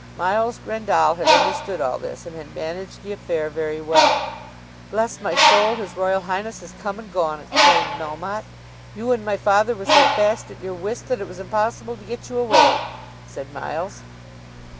Miles Grendall had understood all this and had managed the affair very well. "Bless my soul; his Royal Highness come and gone!" exclaimed Melmotte. "You and my father were so fast at your whist that it was impossible to get you away," said Miles.